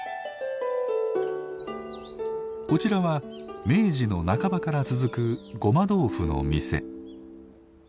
こちらは明治の半ばから続くごま豆腐の店。